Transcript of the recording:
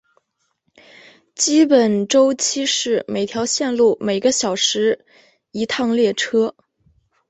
基本周期是每条线路每个小时一趟列车。